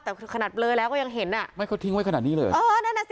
แต่ขนาดเบลอแล้วก็ยังเห็นอ่ะไม่เขาทิ้งไว้ขนาดนี้เลยเหรอเออนั่นน่ะสิ